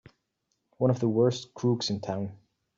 One of the worst crooks in town!